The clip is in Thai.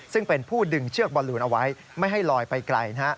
ซึ่งเป็นผู้ดึงเชือกบอลลูนเอาไว้ไม่ให้ลอยไปไกล